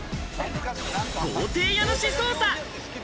豪邸家主捜査！